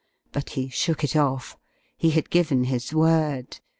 But he shook it off. He had given his word.